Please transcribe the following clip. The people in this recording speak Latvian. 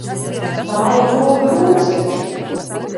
Tā ir loga rūts taču.